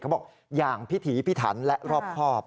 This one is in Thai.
เขาบอกอย่างพิถีพิถันและรอบครอบ